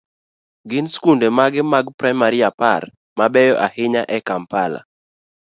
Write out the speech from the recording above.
gin skunde mage mag praimari apar mabeyo ahinya e Kampala?